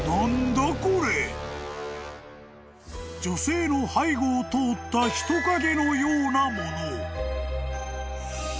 ［女性の背後を通った人影のようなもの］